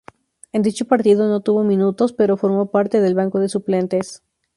En dicho partido no tuvo minutos, pero formó parte del banco de suplentes.